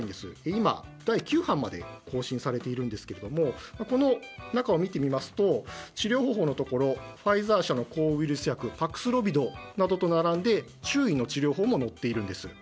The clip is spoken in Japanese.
今、第９版まで改訂されていますがこの中を見てみますと治療方法のところにファイザー社の抗ウイルス薬パクスロビドなど並んで中医の治療法も載っているんです。